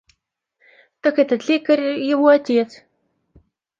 Так этот лекарь его отец.